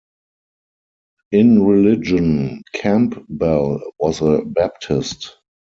In religion, Campbell was a Baptist.